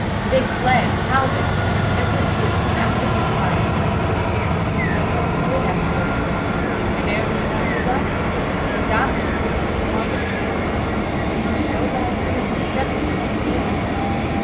They fled howling, as if she had struck them with fire. She was no more afraid after that, and ere the sun was up she was out of the wood and upon the heath, which no bad thing could step upon and live.